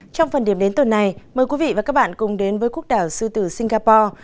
trong phần điểm đến tuần này mời quý vị và các bạn cùng đến với quốc đảo sư tử singapore